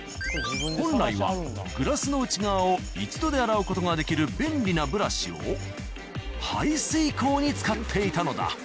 本来はグラスの内側を一度で洗う事ができる便利なブラシを排水溝に使っていたのだ。